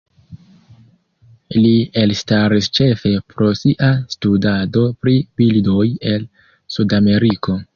Li elstaris ĉefe pro sia studado pri birdoj el Sudameriko.